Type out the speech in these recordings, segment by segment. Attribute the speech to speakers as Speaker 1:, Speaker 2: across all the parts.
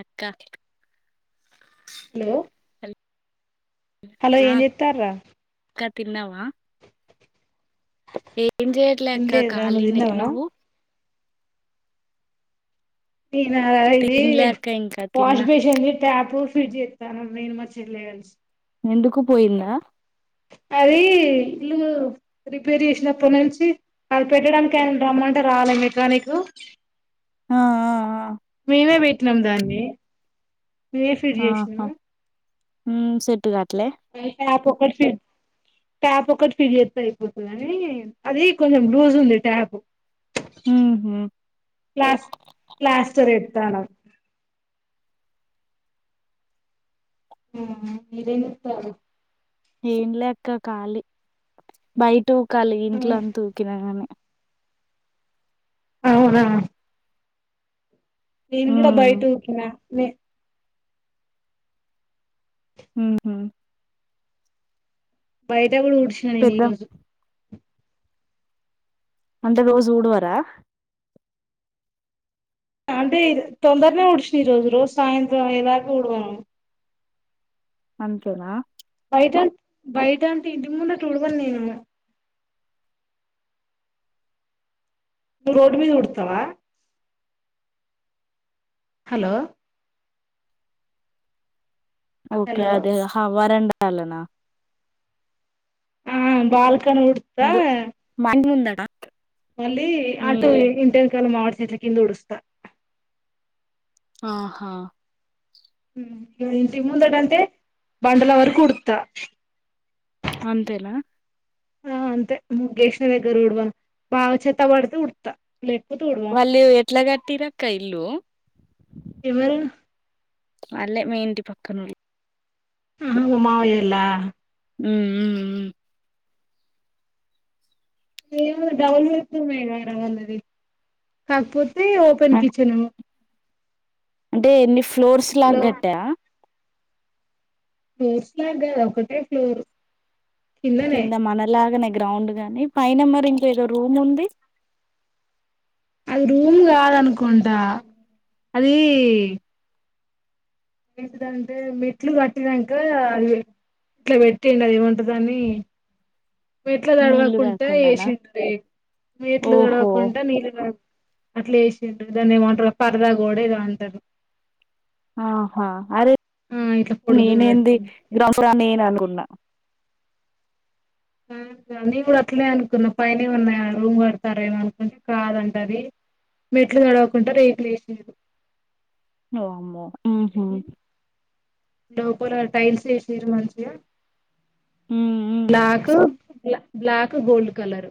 Speaker 1: అక్క
Speaker 2: hello hello ఏం చేత్తార్రా
Speaker 1: కా తిన్నావా ఏం చెయ్యట్లేక్క
Speaker 2: తినలేదురా నువ్వు
Speaker 1: ఖాళీనే
Speaker 2: తిన్నావా
Speaker 1: నువ్వు
Speaker 2: [unintelligible] ఇది
Speaker 1: తినలే అక్క ఇంకా
Speaker 2: వాష్
Speaker 1: తిన్నా
Speaker 2: బేసిన్ ది టాప్ ఫ్రిడ్జ్ ఎత్తాను నేను మా చెల్లి కలిసి
Speaker 1: నిండుకు పోయిందా
Speaker 2: అది ఇల్లు రిపేర్ చేసినపనుంచీ అడ్డ పెట్టడానికి రమ్మంటే రాలేదు మెకానీకు
Speaker 1: ఆ ఆ ఆ
Speaker 2: మేమే పెట్టినం దాన్ని నువ్వే ఫీడ్ చేసినావు
Speaker 1: హమ్ సెట్ గా
Speaker 2: హెలికాపు [inaudible] ట్యాప్ ఒక్కటి [inaudible] అయిపోతదని అది కొంచెం లూజ్ ఉంది టాపు
Speaker 1: ఉహు
Speaker 2: ప్లాస్ ప్లాస్టరేట్ [unintelligible] ఆహ్ మీరేం చెప్తారు
Speaker 1: ఏం లే క్క కాలి బయటు కలి ఇంట్లో అంతుకిన గాని
Speaker 2: అవునా ఇంత
Speaker 1: ఉమ్
Speaker 2: బయట [inaudible] లే
Speaker 1: మ్
Speaker 2: [inaudible] [unintelligible] కూడా ఊడ్చిన నేను ఈ
Speaker 1: పెద్ద
Speaker 2: రోజు
Speaker 1: అంటే రోజు ఊడువరా
Speaker 2: అంటే తొందరనే ఊడ్చిరు రోజు సాయంత్రం ఎలాగో ఉడవను
Speaker 1: అంతేనా
Speaker 2: బయట బయట అంత బయట అంటే ఇంటి ముందు తుడవను నేను నువ్వు రోడ్ మీద వుడుతావా హలో
Speaker 1: ఓకే
Speaker 2: హలో
Speaker 1: అదే హవ్వరండ అలానా
Speaker 2: ఆ బాల్ కనబడుద్దా
Speaker 1: ముందు మా ఇంటి ముందట
Speaker 2: మళ్ళీ
Speaker 1: ఉమ్
Speaker 2: ఆటు ఇ ల మామిడి చెట్ల కింద ఊడుస్తా
Speaker 1: ఆహా
Speaker 2: ఇంటికి ముందటంటే బండల వరకు ఉడుత్త
Speaker 1: అంతేనా
Speaker 2: ఆ అంతే ముగ్గు వేసే దగర ఉడవను బాగా చెత్త పడితే ఊడుస్తా.
Speaker 1: వాళ్ళు ఎట్ల కట్టిరు అక్క ఇల్లు
Speaker 2: ఎవరు
Speaker 1: అల్లె మీ ఇంటి పక్కన
Speaker 2: ఆ మా మావయ్యోళ్ళ
Speaker 1: హుమ్
Speaker 2: ఏమో డౌల్ చేస్తున్నాయ్ గా రావలని కాకపోత్ ది ఓపెన్
Speaker 1: అ
Speaker 2: కిచెను
Speaker 1: అంటే ఎన్ని ఫ్లో ఫ్లోర్స్
Speaker 2: ఫ్లో
Speaker 1: స్లాగ్ గట్టా
Speaker 2: ఫ్లోర్స్ లాగ్ కాదు ఆది ఒకటే ఫ్లోర్ కిందనే
Speaker 1: కింద మనలాగ నే గ్రౌండ్ గాని పైన మరి ఇంక ఏదో రూమ్ ఉంది.
Speaker 2: అది రూమ్ కాదనుకుంటా అది ఏంటిదంటే మెట్లు కట్టినాక అది ఇట్లా పెట్టి అది ఏమంటరు దాని మెట్లు
Speaker 1: నీళ్లు
Speaker 2: తొడవకుంటే
Speaker 1: కాకుండానా
Speaker 2: ఏసింట్ లే మెట్లు
Speaker 1: ఓహో
Speaker 2: తడవకుండా నీళ్ళు అట్లా వేసి దాన్ని ఏమంటారు పరదా కూడా ఇద అంటారు.
Speaker 1: ఆహా అరే
Speaker 2: ఆ ఇట్లా పొడుగ్గా
Speaker 1: నేనేంది
Speaker 2: కట్టిండు
Speaker 1: గ్ర ఫుర నేననుకున్నా
Speaker 2: అ నేను గుడ అట్లనే అనుకున్నా పైనేమన్నా రూమ్ కడతారేమొనని కాదంట అది మెట్లు కదలకుండా రీప్లేస్
Speaker 1: ఓ అమ్మో
Speaker 2: డో పురా టైల్స్ ఏసి తీరు మ చేయా
Speaker 1: ఉమ్ ఉమ్
Speaker 2: లాకు ల బ్లాక్ గోల్డ్ కలర్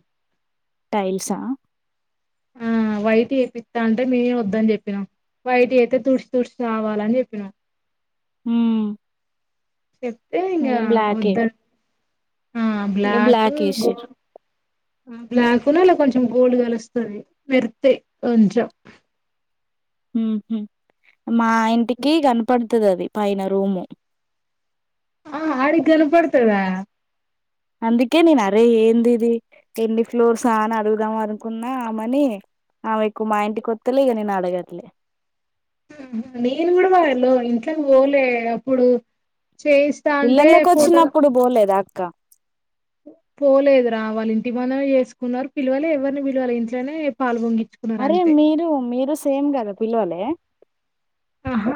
Speaker 1: టైల్సా
Speaker 2: ఆ వైట్ ఎపిత్త అంటే మేమే వద్దని చెప్పినాం వయటి అతే తుడిసి తుడిసి సావలని చెప్పినా
Speaker 1: హ
Speaker 2: చెప్తే ఇంకా వద్ద
Speaker 1: ఇగ బ్లాక్ ఎషిర్రు
Speaker 2: బ్లాక్ ఉన్నా అలా కొంచెం గోల్డ్ కలుస్తది మెరుస్తయ్ కొంచెం
Speaker 1: హహ మా ఇంటికి కనపడుతుంది అది పైన రూము
Speaker 2: ఆ ఆడికి కన్బడత డా
Speaker 1: అందుకే నేను అరే ఏంది ఇది ఎడి ఫ్లోర్స్ అని అడుగుదామ అనుకున్నామని ఆమెకు మా ఇంటి కొత్తలే ఇక నేను అడగట్లే
Speaker 2: నేను కూడా వా వెళ ఇంట్లోకి పోలే అప్పుడు చేయిస్తా అంటే
Speaker 1: ఇల్లల్లోకి వచ్చినప్పుడు పోలేదా కుక్క
Speaker 2: పోలేదు రా వాళ్ళ ఇంటి మనం చేసుకున్నారు పిల్లవలే ఎవరిని పిల్లవాళ ఇంట్లోనే పాలుగొం గించ్
Speaker 1: అరే మీరు మీరు సేమ్ కదా పిలువలే
Speaker 2: ఆహా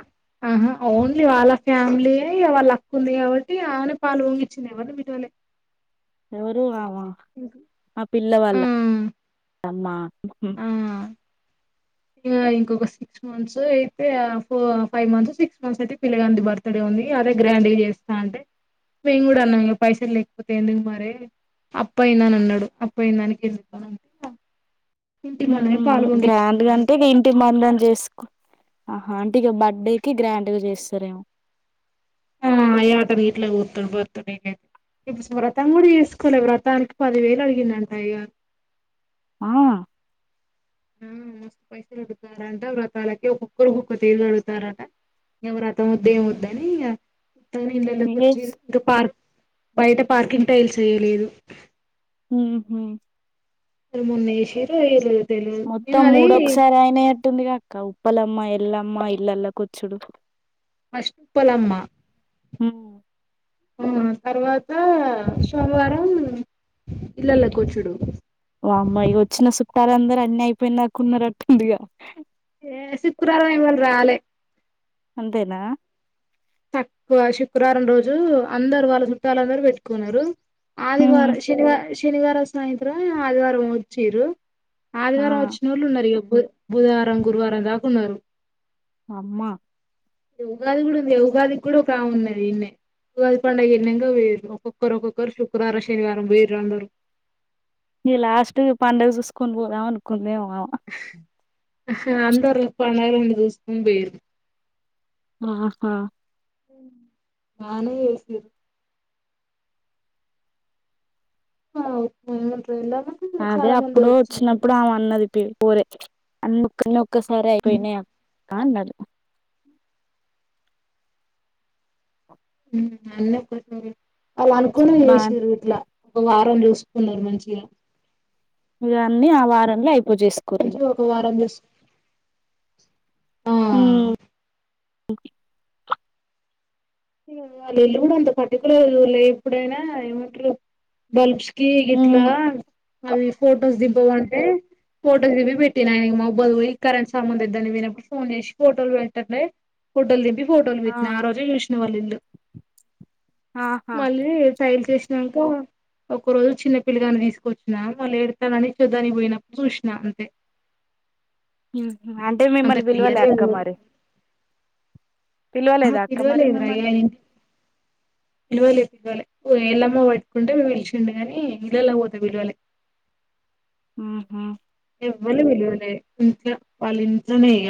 Speaker 2: ఆహా ఓన్లీ వాళ్ళ ఫ్యామిలీ వాళ్ళ అక్కు ఉంది కాబట్టి ఆన పాలు ఊంగించింది ఎవళ మిటివలే
Speaker 1: ఎవరు మా పిల్లవాళ్ళ
Speaker 2: ఆ
Speaker 1: అమ్మా అ
Speaker 2: ఇ ఇంకొక సిక్స్ మంత్స్ అయితే ఫో ఫైవ్ మంత్స్ సిక్స్ మంత్స్ అయితే పిల్ల గది బర్త్డే ఉంది అదే గ్రాండ్ చేస్తా అంటే మేము కూడా అన్నాం పైసలు లేకపోతే ఎందుకు మరే అప్పయి్యంద అని అన్నాడు అబ్ప్పయిన దానికి ఎందు అంటే ఇంటి కాడనే పాలు పొంగించ్చు
Speaker 1: అందుకంటే ఇంటి మందం చేసి ఆ అంటీకి బర్త్డేకి గ్రాండ్గా చేస్తారేమో
Speaker 2: ఆ అతను ఇట్లా కూర్తు పతుతే ఇప్పుడు వ్రతం కూడా వేసుకోలే వ్రతానికి పదివేలు అడిగిందంట అయగారు
Speaker 1: ఆ
Speaker 2: ఆ మస్తు పైసలు అడుతారంట వ్రతాలకి ఒక్కొక్కరికొక్క తేద అగుతారంట ఎ వ్రతం వద్ద ఏమి వద్దని అ ఇల్ కుచి
Speaker 1: ఎస్
Speaker 2: ఇంకా పా బయట పార్కింగ్ టైల్స్ వేయ్యలేదు
Speaker 1: హ
Speaker 2: అ మొన్నేషీరు ఎయిలేదు
Speaker 1: మొత్తం మూడొకసారి అయినయ్యట్టుంది కక్క ఉప్పలమ్మాయి ఇల్ అమ్మా ఇల్లాల కోచ్చుడు
Speaker 2: ఫస్ట్ పోలమ్మా
Speaker 1: హ
Speaker 2: ఆ తర్వాత సోమవారం ఇల్లల్లో కూర్చుడు
Speaker 1: తారు అందరు అన్ని అయిపోయినాకున్నారట్టుందిగా
Speaker 2: ఏ శుక్రవారం ఇవ్వల్రా అలే
Speaker 1: అంతేనా
Speaker 2: తక్కువ శుక్రవారం రోజు అందరు వాళ్ళ చుట్టాలందరు పెట్టుకున్నారు
Speaker 1: హ్మ్.
Speaker 2: ఆదివారం శనివారం ష్ శనివారం సాయంత్రం ఈ ఆదివారం వచ్చీరు
Speaker 1: ఆ
Speaker 2: ఆదిగారంవ వచ్చినోళ్ళు ఉన్నారు బుధవారం గురువారం రాకున్నారు
Speaker 1: అమా
Speaker 2: ఉగాది కూడా ఉంది ఉగాది కూడా ఉన్నా ఎన్న ఉగాది పండుగ ఎన్నక వేరు ఒక్కొక్కరు ఒక్కొక్కరు శుక్రవారం శనివారం వేరు అందరు
Speaker 1: న లాస్ట్ పండుగ చూసుకొని పోదాం అనుకుందే మే అ
Speaker 2: హుహు అందరు పనొల్లను చూసుకొని పోయేది.
Speaker 1: ఆహా క
Speaker 2: నాను వెస్లీ ఆ తినండ్రి
Speaker 1: అదే అప్పుడు వచ్చినప్పుడు ఆమె అన్నది పేల్ పోరె అమ్మ కన్నక్ పిస్నరేపోయినయా కాండడ్
Speaker 2: ఉ మోన్న కొన్నారు అలా అనుకోని
Speaker 1: బానే
Speaker 2: వేసిరు ఇట్ల ఒక వారం చూసుకున్నారు మంచిగా
Speaker 1: ఇవన్నీ ఆ వారంలో అయ్
Speaker 2: మంచిగా ఒక వారం చస్ ఆ
Speaker 1: హుమ్ ఒకే
Speaker 2: వాళ్ళ ఇల్లు కూడా అంత పర్టికులర్ లే ఎప్పుడైనా ఏమంటారు బల్బ్ కీ ఇట్లా
Speaker 1: ఉమ్
Speaker 2: అవి ఫొటోస్ దింపవ ఫోటోలు దిగి పెట్టినా ఇగ మాబ్బుకు పోయి కరెంట్ సామను తేద్దమని పోయిప్పుడు ఫోన్ చేసి ఫోటోలు పెట్టతంటే ఫోటోల్ దింపి ఫోటోలు పెట్టినా ఆ రోజే ఇష్ట వాళ్ళిల్లు
Speaker 1: ఆహా
Speaker 2: స్టైల్ చేసినంక ఒక రోజు చిన్న పిల్గాని తీసుకొచ్చిన వాళ్ళు ఏడతానని చూద్దానికి పోయినప్పుడు చూసినా అంతే
Speaker 1: హుమ్ అంటే
Speaker 2: అంత
Speaker 1: మిమ్మల్ని పిలువలే
Speaker 2: క్లియర్గా
Speaker 1: అక్క మరి పిలవలేద అక్క మరి మిమ్మల్ని
Speaker 2: వైలెంట్ పిలువలే పిలువలే ఎళ్ళమ్మ పట్టుకుంటే వెలిచిండు గాని ఇల్లులకి పోతే పిలువలే
Speaker 1: ఊహు
Speaker 2: ఎవ్వల్ని పిలువలే ఇంట్ల వాళ్లింట్లోనే ఇగ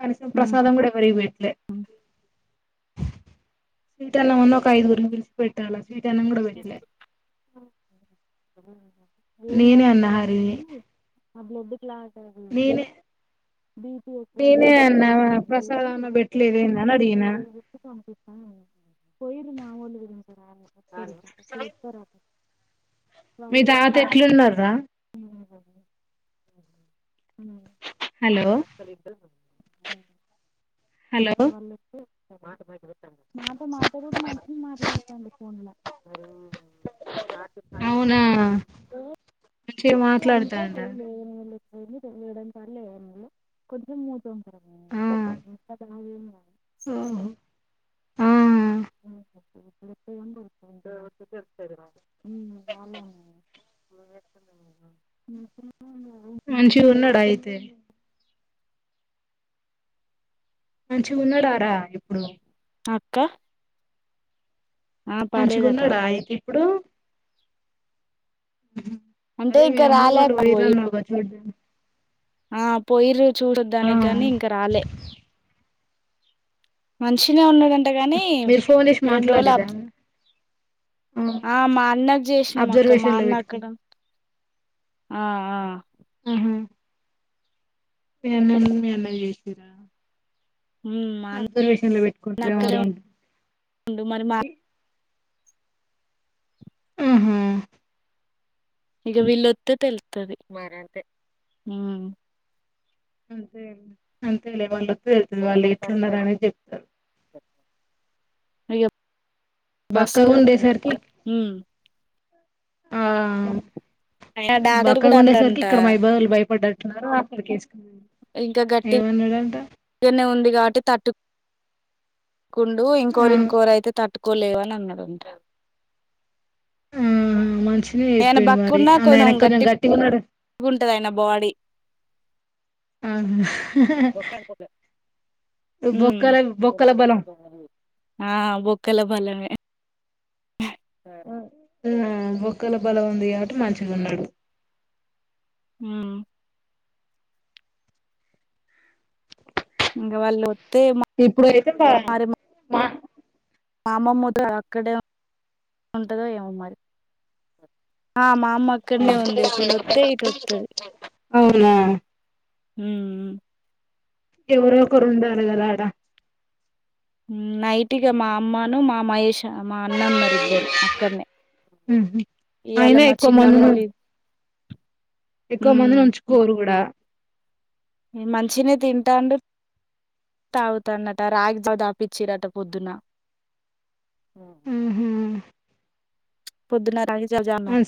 Speaker 2: కనీసం
Speaker 1: ఉహు
Speaker 2: ప్రసాదం కూడ ఎవ్వరికి పెట్లే స్వీటన్నం అన్నా ఒక ఐదుగురి పిలిసి పెట్టాల వీట్ అనం కూడ పెట్లే
Speaker 1: ఏం కాదన్నారంట కానీ ఆ బ్లడ్ క్లాట్ అయ్యింది
Speaker 2: నేనే నేనే అన్నా
Speaker 1: చెక్
Speaker 2: ప్రసాదం అన
Speaker 1: చేసి
Speaker 2: పెట్లేదెందని అడిగిన
Speaker 1: హు పోయిరీ మా వాళ్ళు కూడా ముసరాళ్ళు
Speaker 2: సాయి కుమార్ మీ తాత ఎట్లు ఉన్నార్రా
Speaker 1: [inaudible] హ్మ్
Speaker 2: హలో
Speaker 1: నక్కలిద్దరు [inaudible]
Speaker 2: హలో
Speaker 1: వాళ్ళకి [inaudible] మాతో మాతో కూడా మంచిగ మాట్లాడతాండు ఫోన్ ల బరువైయ్యింది ఉ కాకి కాకి ఉన్నట్టుంది
Speaker 2: మంచిగ మాట్లాడతాండ
Speaker 1: అవన్నీ తెలియడం
Speaker 2: ఆ
Speaker 1: [inaudible]
Speaker 2: ఓహో
Speaker 1: ఏమన్నుందా
Speaker 2: ఆ
Speaker 1: [inaudible] [inaudible]
Speaker 2: మంచిగా ఉన్నాడా అయితే మంచిగున్నాడారా ఇప్పుడు
Speaker 1: అక్క ఆ పర్లేదక్క
Speaker 2: మంచిగున్నడ అయితే ఇప్పుడు
Speaker 1: అంటే
Speaker 2: అదే
Speaker 1: ఇంకా
Speaker 2: అమ్మ
Speaker 1: రాలే
Speaker 2: వాళ్ళు
Speaker 1: అక్క
Speaker 2: వేరే
Speaker 1: పోయి
Speaker 2: ఉన్నారుగా చూద్దాం
Speaker 1: ఆ పోయిరు
Speaker 2: ఆ
Speaker 1: చూడొద్దనేకి గానీ ఇంక రాలే మనిషినే ఉన్నాడం అంటగాని
Speaker 2: మీరు ఫోన్ చేసి
Speaker 1: రెండు రోజులు
Speaker 2: మాట్లాడిరా
Speaker 1: అబ్ ఆ మా అన్నకు చేసినాం అక్క మా
Speaker 2: అబ్జర్వేషన్ లో
Speaker 1: అన్న
Speaker 2: పెట్టుకుని
Speaker 1: అక్కడం ఆ ఆ
Speaker 2: ఆ మీ అన్నను మీ అన్న చేసిరా
Speaker 1: ఉమ్ మా అన్న
Speaker 2: అబ్సర్వేషన్ లో పెట్కుంట్రే
Speaker 1: అక్కడే
Speaker 2: మరున్
Speaker 1: ఉండు మరి మా
Speaker 2: హ్మ్ హు
Speaker 1: ఇక వీళ్ళొత్తే తెలుత్తది హ్మ్
Speaker 2: అంతే అంతేలే వాళ్ళు [inaudible] వాళ్ళు ఎట్లున్నారనే చెప్తరు
Speaker 1: అయ్యో బసుకే
Speaker 2: ఉండేసరికి
Speaker 1: వత్తున్నారు
Speaker 2: ఆ
Speaker 1: అయినా డాక్టర్ కూడా
Speaker 2: బక్కగుండె సరికి
Speaker 1: అండంట
Speaker 2: ఇక్కడ మైబల్ భయపడ్డారు దొరబాబు మీద్ కేస్
Speaker 1: ఇంకా గట్టిగనే ఉంది గాటు తట్టు కుండు
Speaker 2: ఆ
Speaker 1: ఇంకోరు ఇంకోరైతే తట్ పట్టుకోలేవు అని అన్నాడంట
Speaker 2: హు హు మంచి
Speaker 1: నేన బక్ ఉన్నా కొంచెం గట్టి
Speaker 2: ఉన్నాడు
Speaker 1: [unintelligible] గుంటది ఆయన బాడీ
Speaker 2: ఆ
Speaker 1: బొక్కె అండి బొక్కె ఊ
Speaker 2: బొక్కల బొక్కల బలం
Speaker 1: [unintelligible] ఆ బొక్కల బలమే
Speaker 2: ఊ ఊ బోక్కలో బలం ఉంది కాబట్టి మంచిగా ఉన్నాడు
Speaker 1: ఊ.. వాళ్ళు
Speaker 2: ఇప్పుడు అయితే పోదాము
Speaker 1: మరి
Speaker 2: మార్
Speaker 1: మా అమ్మమ్మ తో అక్కడే [unintelligible] ఉంటదో ఏమో మరి ఆ మా అమ్మ అక్కడనే ఉంది ఒకవేళోత్తే ఇటువత్తది
Speaker 2: అవునా
Speaker 1: ఊ ఊ
Speaker 2: ఎవరో ఒకరు ఉండారు కదా అడ
Speaker 1: మ్మ్ నైట్ గే మా అమ్మ ను మా మహేష్ త మా అన్న అన్నారు ఇద్దరు అక్కనే ఇయాళ
Speaker 2: అయినా
Speaker 1: మా
Speaker 2: ఎక్కువ మందిని
Speaker 1: చిన్నమొళ్ళ ఇంటి
Speaker 2: ఎక్కువ మంది ఉంచుకోరు కూడా
Speaker 1: మేమ్ మంచిన తింటాడు తాగుతాండట రాగిజావ్ తాపిచిరంట పొద్దున అ
Speaker 2: ఆహా
Speaker 1: పొద్దున రాగిజవ
Speaker 2: అ
Speaker 1: జన్నారు